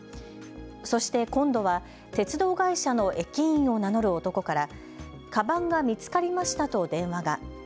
そして今度は鉄道会社の駅員を名乗る男からかばんが見つかりましたと電話が。